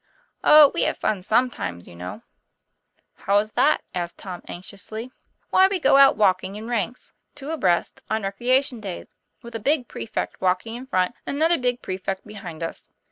"Oh, we have fun sometimes, you know." ' How is that ?" asked Tom anxiously. ' Why, we go out walking in ranks two abreast on recreation days, with a big prefect walking in front and another big prefect behind us.